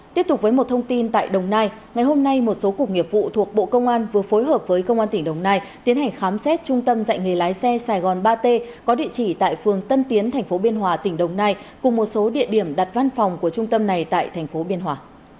tiếp tục với một thông tin tại đồng nai ngày hôm nay một số cục nghiệp vụ thuộc bộ công an vừa phối hợp với công an tỉnh đồng nai tiến hành khám xét trung tâm dạy nghề lái xe sài gòn ba t có địa chỉ tại phường tân tiến tp biên hòa tỉnh đồng nai cùng một số địa điểm đặt văn phòng của trung tâm này tại thành phố biên hòa